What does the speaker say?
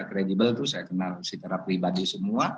kredibel itu saya kenal secara pribadi semua